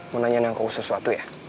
mau nanyain sama aku sesuatu ya